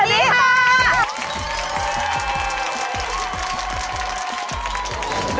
สวัสดีค่ะ